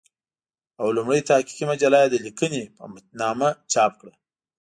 او لومړۍ تحقيقي مجله يې د "ليکنې" په نامه چاپ کړه